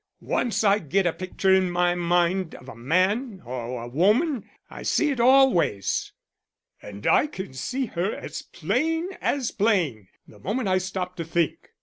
Once I get a picter in my mind of a man or a woman I see it always. And I can see her as plain as plain the moment I stop to think.